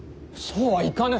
そうはいかぬ。